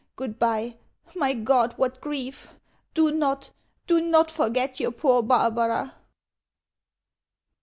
Goodbye. My God, what grief! Do not, do not forget your poor Barbara!